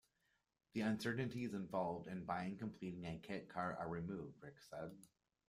The uncertainties involved in buying and completing a kit car are removed, Reick said.